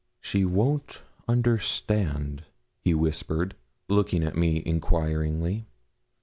'She won't understand,' he whispered, looking at me enquiringly.